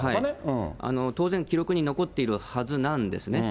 当然記録に残っているはずなんですね。